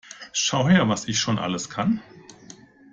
Schau her, was ich schon alles kann!